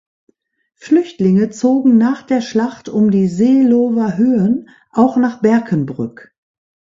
Flüchtlinge zogen nach der Schlacht um die Seelower Höhen auch nach Berkenbrück.